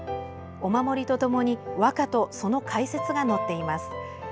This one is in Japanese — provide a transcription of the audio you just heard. お守りとともに和歌と、その解説が載っています。